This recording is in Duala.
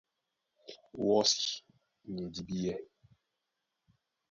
Wɔ́si ni e dibíɛ́.